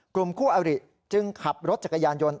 กลุ่มคู่อริจึงขับรถจักรยานยนต์